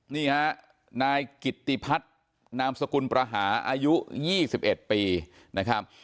นี่ฮะนายกิตติพัฒนามสกุลประหาอายุ๒๑ปีนะครับ